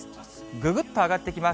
ぐぐっと上がってきます。